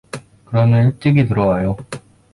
그러면 일찍이 들어와요.